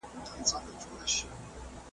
که باران ونه درېږي، موږ به بازار ته لاړ نشو.